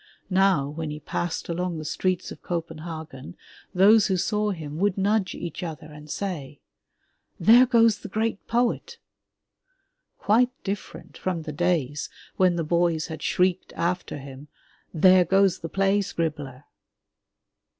Now, when he passed along the streets of Copenhagen, those who saw him would nudge each other and say, "There goes the great poet!" Quite different from the days when the boys had shrieked after him, 'There goes the play scribbler!